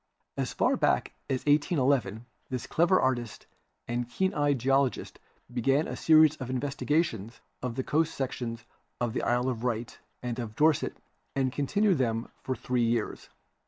As far back as 181 1 this clever artist and keen eyed geologist began a series of investigations of the coast sections of the Isle of Wight and of Dorset and continued them for three years.